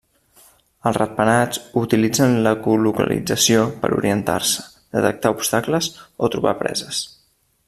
Els ratpenats utilitzen l'ecolocalització per orientar-se, detectar obstacles o trobar preses.